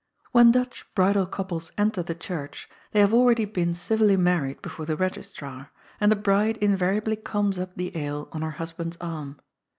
When Dutch bridal couples enter the church, they gl2 GOD'S POOL. liave already been civilly married before the registrar, and the bride invariably comes np the aisle on her husband's arm.